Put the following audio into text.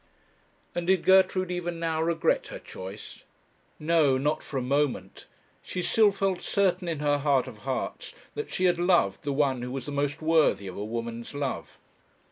And did Gertrude even now regret her choice? No, not for a moment! She still felt certain in her heart of hearts that she had loved the one who was the most worthy of a woman's love.